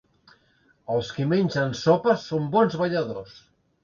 Els qui mengen sopes són bons balladors.